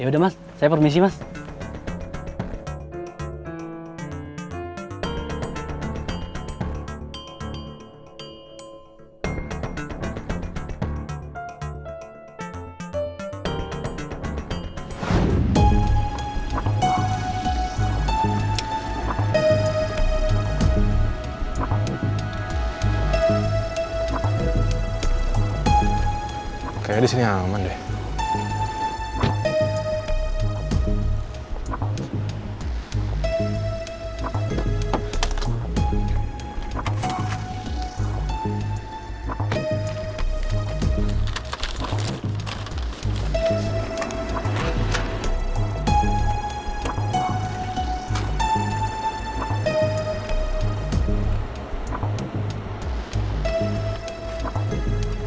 kayaknya disini aman deh